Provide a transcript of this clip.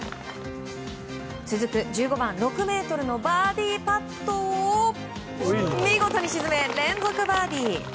続く１５番６ｍのバーディーパットを見事に沈め、連続バーディー。